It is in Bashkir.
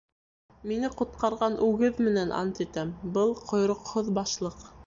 — Мине ҡотҡарған үгеҙ менән ант итәм: был — ҡойроҡһоҙ башлыҡ!